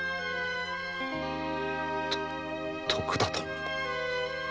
徳田殿。